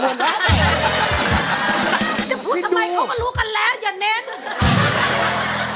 จะพูดทำไมเขาก็รู้กันแล้วอย่าเน้น